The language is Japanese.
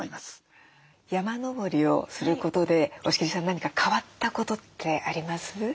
山登りをすることで押切さん何か変わったことってあります？